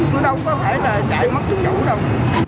nó đâu có thể là chạy mất từng chỗ đâu